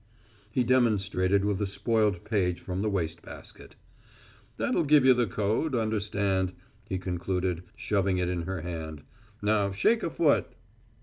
He demonstrated with a spoiled page from the waste basket. "That'll give you the code, understand," he concluded, shoving it in her hand. "Now shake a foot."